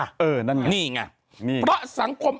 นั่นนะครับนี่แหงะเพราะสังคม